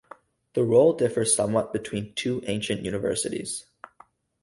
The role differs somewhat between the two ancient universities.